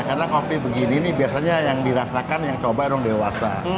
karena kopi begini nih biasanya yang dirasakan yang coba orang dewasa